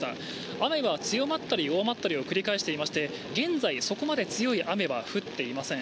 雨は強まったり弱まったりを繰り返していまして現在そこまで強い雨は降っていません。